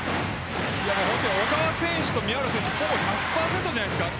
本当に小川選手と宮浦選手ほぼ１００％じゃないですか。